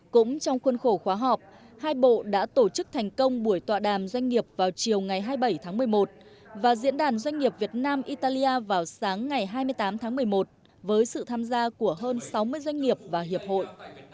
cũng trong khuôn khổ khóa họp hai bộ đã tổ chức thành công buổi tọa đàm doanh nghiệp vào chiều ngày hai mươi bảy tháng một mươi một và diễn đàn doanh nghiệp việt nam italia vào sáng ngày hai mươi tám tháng một mươi một với sự tham gia của hơn sáu mươi doanh nghiệp và hiệp hội